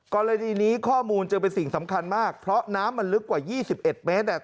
กรณีนี้ข้อมูลจึงเป็นสิ่งสำคัญมากเพราะน้ำมันลึกกว่า๒๑เมตร